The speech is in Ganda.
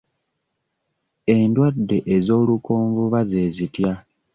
Endwadde ez'olukonvuba ze zitya?